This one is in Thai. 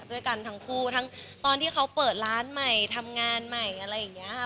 ด้วยกันทั้งคู่ทั้งตอนที่เขาเปิดร้านใหม่ทำงานใหม่อะไรอย่างนี้ค่ะ